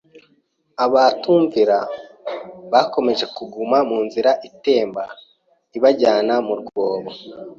abatumvira bakomeje kuguma mu nzira itemba ibajyana mu rwobo.